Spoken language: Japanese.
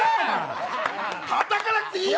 たたかなくていいよ！